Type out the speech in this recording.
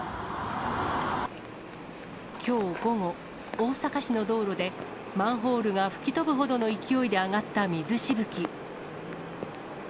きょう午後、大阪市の道路で、マンホールが吹き飛ぶほどの勢いで上がった水しぶき。